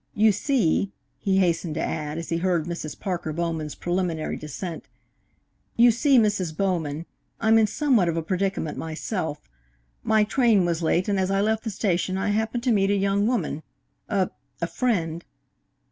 You see," he hastened to add, as he heard Mrs. Parker Bowman's preliminary dissent "you see, Mrs. Bowman, I'm in somewhat of a predicament myself. My train was late, and as I left the station I happened to meet a young woman a a friend."